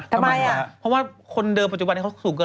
ทำไมอ่ะเพราะว่าคนเดิมปัจจุบันนี้เขาสูงเกิน